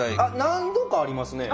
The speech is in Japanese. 何度かありますね。